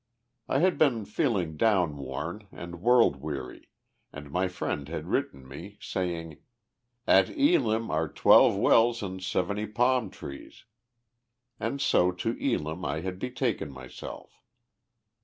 I had been feeling town worn and world weary, and my friend had written me saying: "At Elim are twelve wells and seventy palm trees," and so to Elim I had betaken myself.